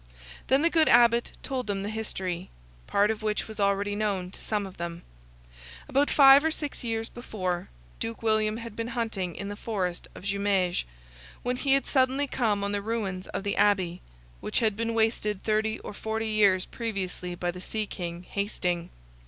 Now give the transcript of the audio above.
Then the good Abbot told them the history, part of which was already known to some of them. About five or six years before, Duke William had been hunting in the forest of Jumieges, when he had suddenly come on the ruins of the Abbey, which had been wasted thirty or forty years previously by the Sea King, Hasting.